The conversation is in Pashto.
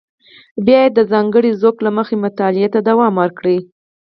بیا یې د ځانګړي ذوق له مخې مطالعه ته دوام ورکړ.